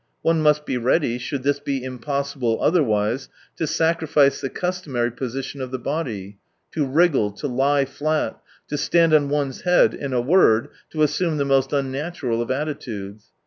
One must be ready, should this be impossible otherwise, to sacrifice the customary position of the body : to wriggle, to lie flat, to stand on one's head, in a word, to assume the most unnatural of attitudes.